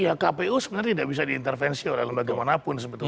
iya kpu sebenarnya tidak bisa diintervensi oleh lembaga manapun